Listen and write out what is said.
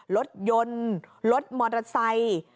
รถยนต์รถมอเตอร์ไซค์